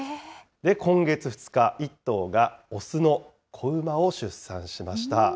今月２日、１頭が雄の子馬を出産しました。